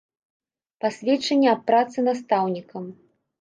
Пасведчанне аб працы настаўнікам.